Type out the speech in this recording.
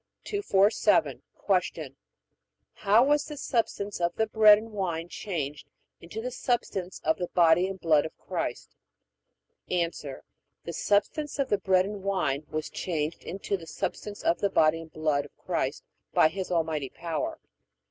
247. Q. How was the substance of the bread and wine changed into the substance of the body and blood of Christ? A. The substance of the bread and wine was changed into the substance of the body and blood of Christ by His almighty power.